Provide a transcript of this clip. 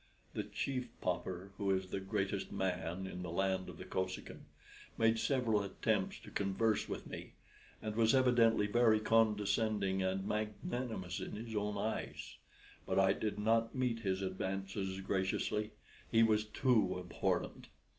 The Chief Pauper, who is the greatest man in the land of the Kosekin, made several attempts to converse with me, and was evidently very condescending and magnanimous in his own eyes; but I did not meet his advances graciously he was too abhorrent.